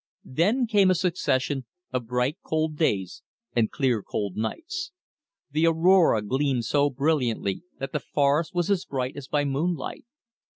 Then came a succession of bright cold days and clear cold nights. The aurora gleamed so brilliantly that the forest was as bright as by moonlight.